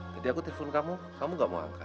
tadi aku telepon kamu kamu gak mau angkat